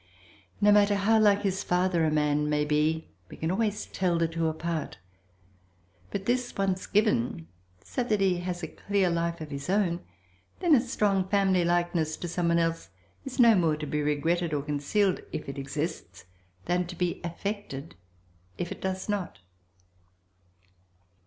No matter how like his father a man may be we can always tell the two apart; but this once given, so that he has a clear life of his own, then a strong family likeness to some one else is no more to be regretted or concealed if it exists than to be affected if it does not.